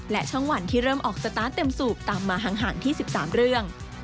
และช่องวันที่เริ่มออกสตาร์ทเต็มสูบตามมาห่างที่๑๓เรื่อง